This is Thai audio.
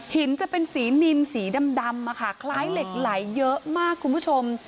จะเป็นสีนินสีดำคล้ายเหล็กไหลเยอะมากคุณผู้ชม